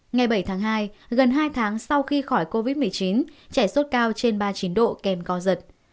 ngày bảy tháng hai gần hai tháng sau khi khỏi covid một mươi chín trẻ sốt cao trên ba mươi chín độ kèm co giật